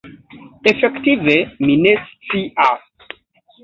Efektive mi ne scias.